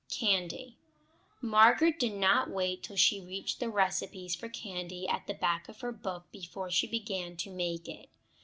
CANDY Margaret did not wait till she reached the recipes for candy at the back of her book before she began to make it.